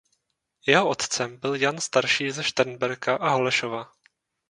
Jeho otcem byl Jan starší ze Šternberka a Holešova.